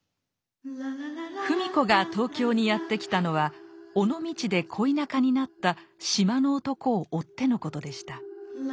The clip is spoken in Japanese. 芙美子が東京にやって来たのは尾道で恋仲になった「島の男」を追ってのことでした。